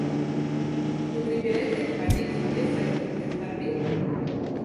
Tu gribi redzēt, vai Niks var iesaistīties darbībā?